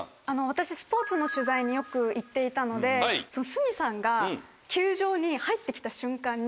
私スポーツの取材によく行っていたので鷲見さんが球場に入って来た瞬間に。